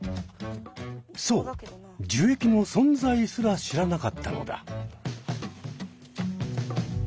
そう樹液の存在すら知らなかったのだ。